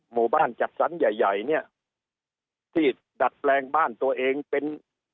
หมู่บ้านจัดสรรใหญ่ใหญ่เนี่ยที่ดัดแปลงบ้านตัวเองเป็น